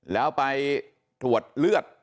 แล้วไปตรวจเลือด